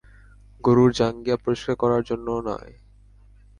গুরুর জাঙ্গিয়া পরিষ্কার করার জন্য নয়।